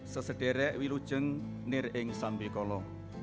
sesederik wilujeng nireng sambe kolo